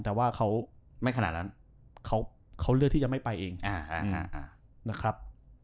แต่ว่าเขาเลือกที่จะไม่ไปเองนะครับ